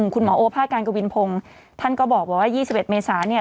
หมอโอภาษการกวินพงศ์ท่านก็บอกว่า๒๑เมษาเนี่ย